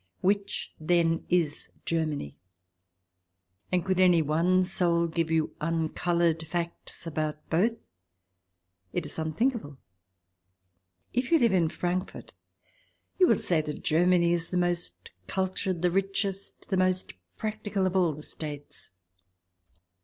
Which, then, is Germany, and could any one soul give you uncoloured facts about both ? It is unthinkable. If you live in Frankfurt you will say that Germany is the most cultured, the richest, the most practical of all the States.